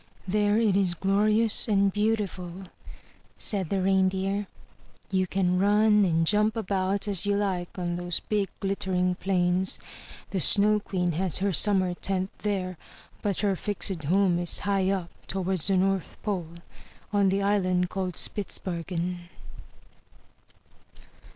There it is glorious and beau tiful!" said the Reindeer. "You can run and jump about as 317 MY BOOK HOUSE you like on those big glittering plains. The Snow Queen has her summer tent there; but her fixed home is high up towards the North Pole, on the island called Spitzbergen.